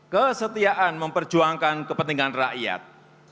kesetiaan memperjuangkan kepentingan rakyat